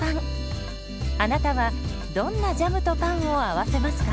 あなたはどんなジャムとパンを合わせますか？